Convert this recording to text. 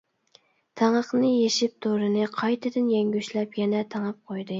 تېڭىقنى يېشىپ دورىنى قايتىدىن يەڭگۈشلەپ يەنە تېڭىپ قويدى.